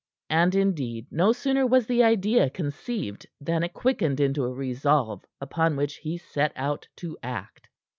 And, indeed, no sooner was the idea conceived than it quickened into a resolve upon which he set out to act.